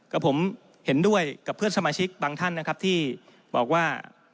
กับผมเห็นด้วยกับเพื่อนสมาชิกบางท่านนะครับที่บอกว่า